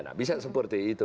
nah bisa seperti itu